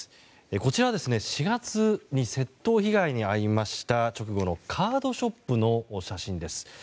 こちらは、４月に窃盗被害に遭いました直後のカードショップの写真です。